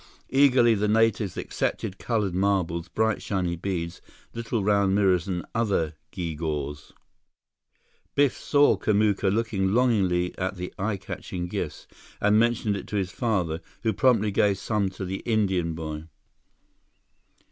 Eagerly, the natives accepted colored marbles, bright shiny beads, little round mirrors, and other geegaws. Biff saw Kamuka looking longingly at the eye catching gifts and mentioned it to his father, who promptly gave some to the Indian boy.